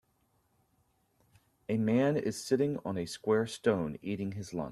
A man is sitting on a square stone eating his lunch.